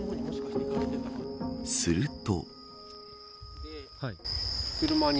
すると。